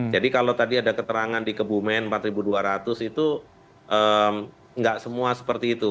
jadi kalau tadi ada keterangan di kebumen rp empat dua ratus itu nggak semua seperti itu